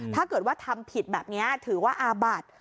ถ้าเกิดว่าทำผิดแบบนี้ถือว่าอาบัติ